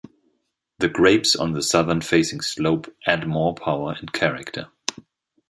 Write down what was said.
The grapes on the southern facing slope add more power and character.